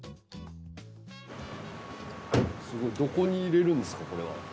すごいどこに入れるんですかこれは？